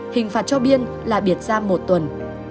hình phạt cho biên là biệt giam một tuần